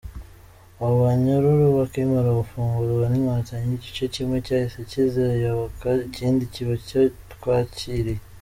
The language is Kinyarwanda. Abo banyururu bakimara gufungurwa n’inkotanyi, Igice kimwe cyahise kiziyoboka, ikindi kiba icyo twakiriye.